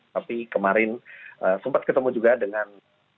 tapi kemarin sempat ketemu juga dengan